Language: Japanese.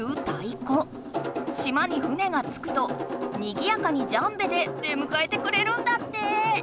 島に船がつくとにぎやかにジャンベで出むかえてくれるんだって。